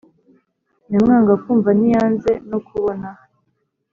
Nyamwanga kumva ntiyanze no kubona